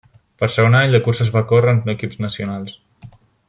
Per segon any la cursa es va córrer en equips nacionals.